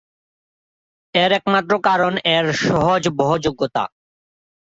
এর একমাত্র কারণ এর সহজবহযোগ্যতা।